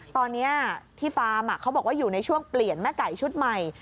ตอนนี้ที่ฟาร์มเขาบอกว่าอยู่ในช่วงเปลี่ยนแม่ไก่ชุดใหม่